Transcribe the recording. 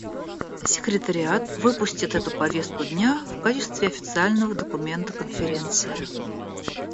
Секретариат выпустит эту повестку дня в качестве официального документа Конференции.